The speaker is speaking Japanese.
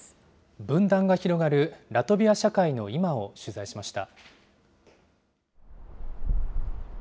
分断が広がるラトビア社会の今を取材しました。